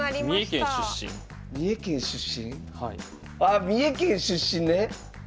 あ三重県出身ね？